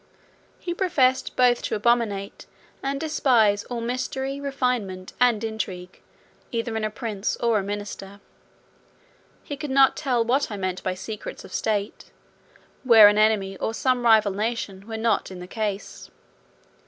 He professed both to abominate and despise all mystery, refinement, and intrigue, either in a prince or a minister. He could not tell what I meant by secrets of state, where an enemy, or some rival nation, were not in the case.